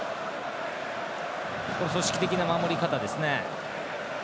組織的な守り方ですね。